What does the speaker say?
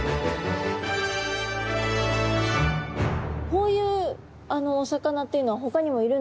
こういうお魚っていうのはほかにもいるんですか？